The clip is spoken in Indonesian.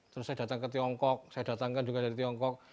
terus saya datang ke tiongkok saya datangkan juga dari tiongkok